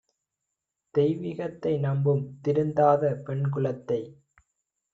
தெய்விகத்தை நம்பும் திருந்தாத பெண்குலத்தை